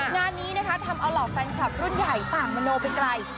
งานนี้นะคะทำออลอร์บแฟนคลับรุ่นใหญ่สั่งมโนไปไกล